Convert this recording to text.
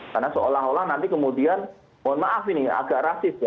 karena seolah olah nanti kemudian mohon maaf ini agak rasif ya